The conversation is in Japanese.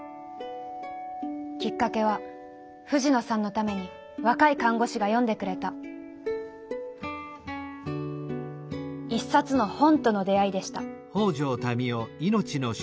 きっかけは藤野さんのために若い看護師が読んでくれた一冊の本との出会いでした。